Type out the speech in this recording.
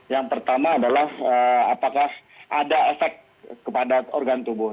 yang pertama adalah apakah ada efek kepada organ tubuh